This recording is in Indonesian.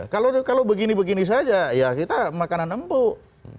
kalau begini begini saja ya kita makanan empuk